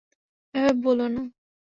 এভাবে বলো না।